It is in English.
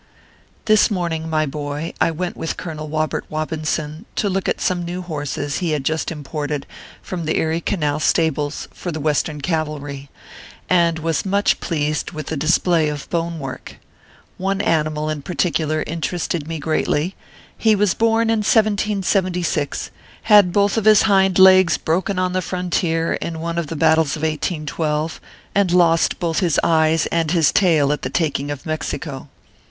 This morning, my boy, I went with Colonel Wobert Wobinson to look at some new horses he had just imported from the Erie Canal stables for the Western cavalry, and was much pleased with the display of bone work. One animal, in particular, interested me greatly ; he was born in 1776, had both of his hind legs broken on the frontier, in one of the battles of 1812, and lost both his eyes and his tail at the taking of Mexico.